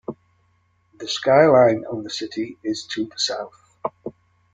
The skyline of the city is to the south.